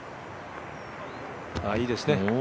いいですね。